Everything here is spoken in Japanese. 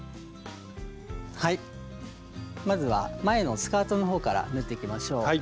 まずは前のスカートの方から縫っていきましょう。